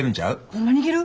ホンマにいける？